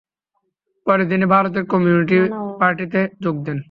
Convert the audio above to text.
পরে তিনি ভারতের কমিউনিস্ট পার্টিতে যোগ দেন।